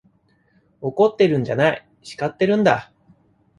怒ってるんじゃない、叱ってるんだ。